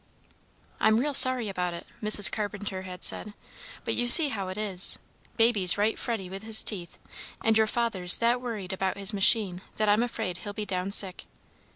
"I'm real sorry about it," Mrs. Carpenter had said, "but you see how it is. Baby's right fretty with his teeth, and your father's that worried about his machine that I'm afraid he'll be down sick.